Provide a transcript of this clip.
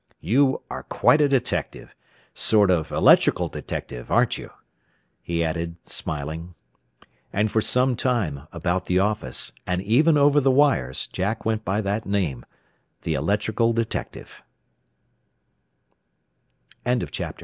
"You are quite a detective sort of 'electrical detective' aren't you?" he added, smiling. And for some time, about the office, and even over the wires, Jack went by that name the "Electrical